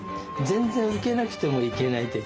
全然ウケなくてもいけないって。